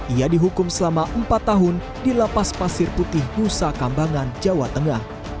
ia dihukum selama empat tahun di lapas pasir putih nusa kambangan jawa tengah